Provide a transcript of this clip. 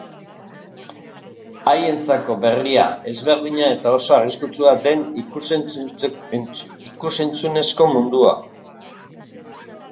Haientzako berria, ezberdina eta oso arriskutsua den ikus-entzunezko mundua.